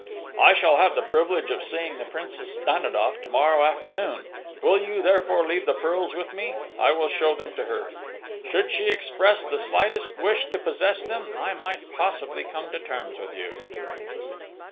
"I shall have the privilege of seeing the Princess Danidoff to morrow afternoon; will you therefore leave the pearls with me?... I will show them to her. Should she express the slightest wish to possess them, I might possibly come to terms with you...."